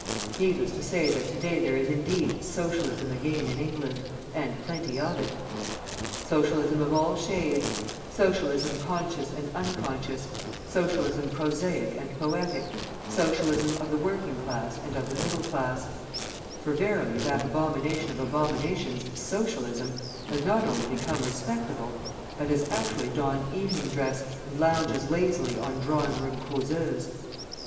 Needless to say that to day there is indeed "Socialism again in England," and plenty of it Socialism of all shades: Socialism conscious and unconscious, Socialism prosaic and poetic, Socialism of the working class and of the middle class, for, verily, that abomination of abominations, Socialism, has not only become respectable, but has actually donned evening dress and lounges lazily on drawing room causeuses.